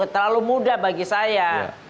terlalu muda bagi saya